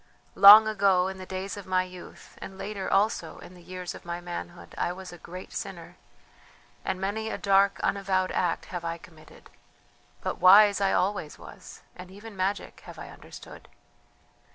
Long ago, in the days of my youth, and later also in the years of my manhood, I was a great sinner, and many a dark unavowed act have I committed. But wise I always was, and even magic have I understood.